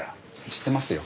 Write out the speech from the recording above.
知ってますよ。